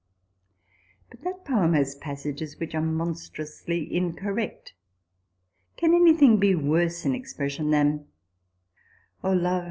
* But that poem has passages which are monstrously incorrect ; can anything be worse in expression than " O Love